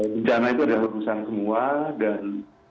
bencana itu ada perusahaan semua dan